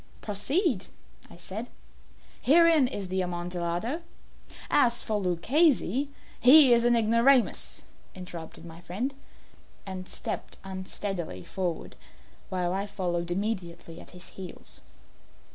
"Proceed," I said; "herein is the Amontillado. As for Luchesi " "He is an ignoramus," interrupted my friend, as he stepped unsteadily forward, while I followed immediately at his heels.